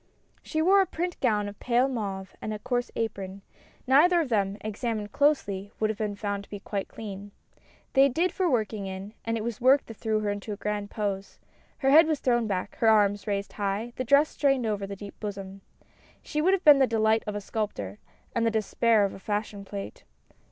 She wore a print gown of pale mauve and a coarse apron ; neither of them, examined closely, would have been found to be quite clean. They did for working in, and it was the work that threw her into a grand pose. Her head was thrown back, her arms raised high, the dress strained over the deep bosom. She would have been the delight of a sculptor, and the despair of a fashion plate.